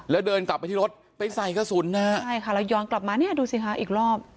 แล้วเดินกลับไปที่รถไปใส่กระสุนนะฮะใช่ค่ะแล้วย้อนกลับมาเนี่ยดูสิคะอีกรอบ